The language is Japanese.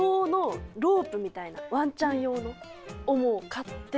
ワンちゃん用のをもう買って。